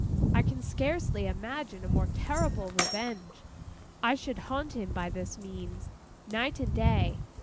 I can scarcely imagine a more terrible revenge. I should haunt him, by this means, night and day.